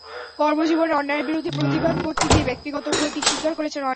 কর্মজীবনে অন্যায়ের বিরুদ্ধে প্রতিবাদ করতে গিয়ে ব্যক্তিগত ক্ষতি স্বীকার করেছেন অনেক।